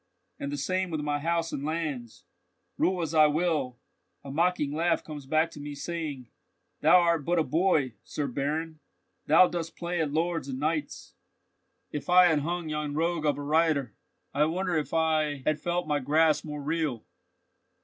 And the same with my house and lands. Rule as I will, a mocking laugh comes back to me, saying: 'Thou art but a boy, Sir Baron, thou dost but play at lords and knights.' If I had hung yon rogue of a reiter, I wonder if I had felt my grasp more real?"